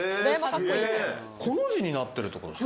コの字になってるってことですか？